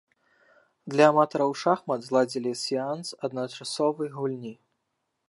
Для аматараў шахмат зладзілі сеанс адначасовай гульні.